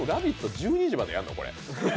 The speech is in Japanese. １２時までやるの？